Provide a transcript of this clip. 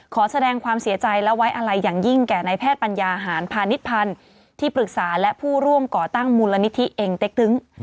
ขอแสดงความเสียใจและไว้อะไรอย่างยิ่งแก่ในแพทย์ปัญญาหารพาณิชพันธ์ที่ปรึกษาและผู้ร่วมก่อตั้งมูลนิธิเองเต็กตึ้ง